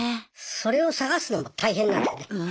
それを探すのもたいへんなんだよね。